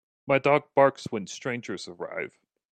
My dog barks when strangers arrive.